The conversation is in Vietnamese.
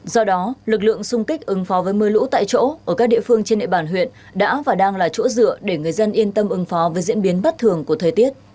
do đó lực lượng xung kích ứng phó với mưa lũ tại chỗ ở các địa phương trên địa bàn huyện đã và đang là chỗ dựa để người dân yên tâm ứng phó với diễn biến bất thường của thời tiết